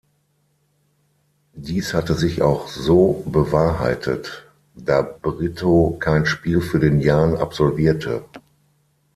Dies hatte sich auch so bewahrheitet, da Brito kein Spiel für den Jahn absolvierte.